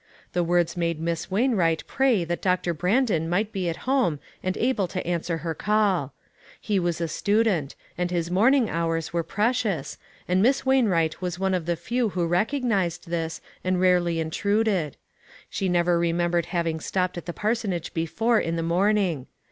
The words made Miss Wain wright pray that Doctor Brandon might be at home and able to answer her call. He was a student, and his morning hours were precious, and Miss Wainwright was one of the few who recognized this, and rarely in truded. She never remembered having stopped at the parsonage before in the morning.